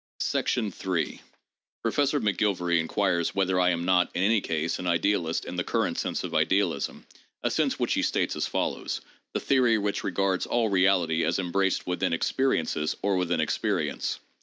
Ill Professor McGilvary inquires whether I am not, in any case, an idealist in the current sense of idealism— a sense which he states as follows: "the theory which regards all reality as embraced within experiences or within experience."